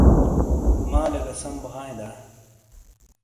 مالے گہ سم بو ہائے دا ؟